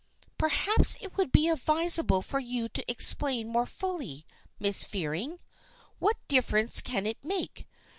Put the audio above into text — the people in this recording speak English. " Perhaps it would be advisable for you to ex plain more fully, Miss Fearing. What difference can it make